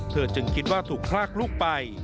จึงคิดว่าถูกพลากลูกไป